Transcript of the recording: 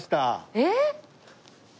えっ？